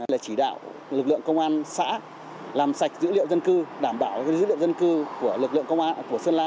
là chỉ đạo lực lượng công an xã làm sạch dữ liệu dân cư đảm bảo dữ liệu dân cư của lực lượng công an của sơn la